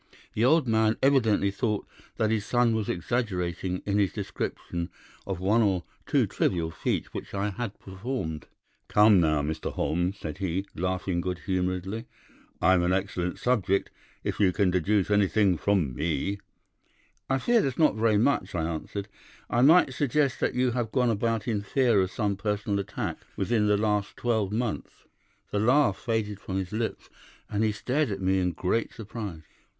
The old man evidently thought that his son was exaggerating in his description of one or two trivial feats which I had performed. "'Come, now, Mr. Holmes,' said he, laughing good humoredly. 'I'm an excellent subject, if you can deduce anything from me.' "'I fear there is not very much,' I answered; 'I might suggest that you have gone about in fear of some personal attack within the last twelve months.' "The laugh faded from his lips, and he stared at me in great surprise.